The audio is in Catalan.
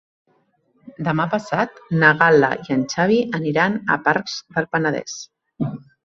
Demà passat na Gal·la i en Xavi aniran a Pacs del Penedès.